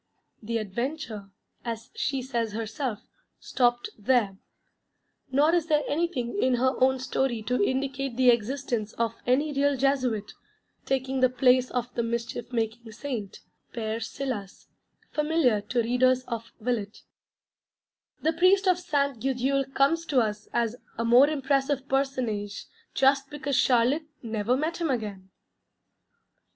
The adventure as she says herself, stopped there. Nor is there anything in her own story to indicate the existence of any real Jesuit, taking the place of the mischief making Saint, Père Silas, familiar to readers of Villette. The Priest of Ste. Gudule comes to us as a more impressive personage just because Charlotte _never met him again.